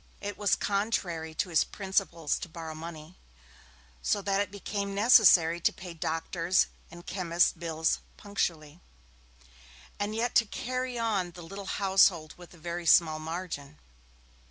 It was contrary to his principles to borrow money, so that it became necessary to pay doctor's and chemist's bills punctually, and yet to carry on the little household with the very small margin.